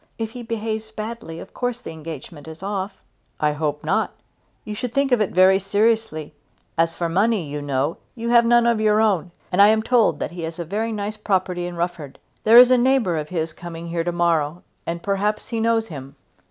If he behaves badly of course the engagement must be off." "I hope not. You should think of it very seriously. As for money, you know, you have none of your own, and I am told that he has a very nice property in Rufford. There is a neighbour of his coming here to morrow, and perhaps he knows him."